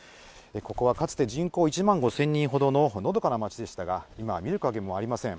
ここはかつて人口１万５０００人ほどののどかな町でしたが、今は見る影もありません。